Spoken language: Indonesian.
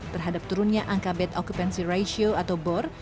terhadap turunnya angka bed occupancy ratio atau bor